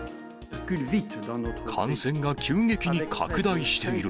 感染が急激に拡大している。